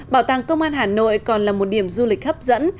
bảo tàng công an hà nội còn là một điểm du lịch hấp dẫn